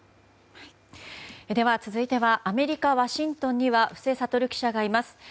では、続いてはアメリカ・ワシントンには布施哲記者がいます。